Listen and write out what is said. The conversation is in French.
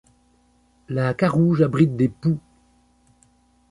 La carouge abrite des pous.